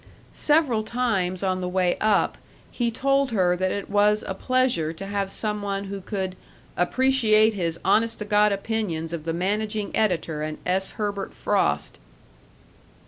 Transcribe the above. Several times on the way up he told her that it was a pleasure to have some one who could "appreciate his honest t' God opinions of the managing editor and S. Herbert Frost."